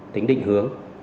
tính định hướng